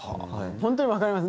本当にわかります。